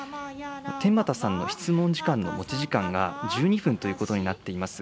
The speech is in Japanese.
天畠さんの質問時間の持ち時間が１２分ということになっています。